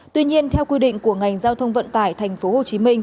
tuy nhiên theo quy định của ngành giao thông vận tải tp hcm